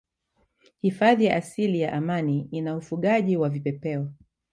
Hifadhi ya asili ya Amani ina ufugaji wa Vipepeo